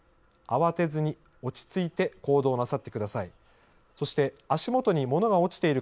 慌てずに、落ち着いて行動なさってください。